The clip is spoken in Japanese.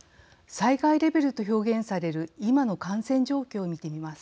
災害レベルと表現される今の感染状況を見てみます。